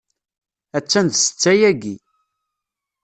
Attan d ssetta yagi.